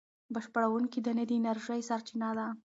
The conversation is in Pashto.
بشپړوونکې دانې د انرژۍ سرچینه دي.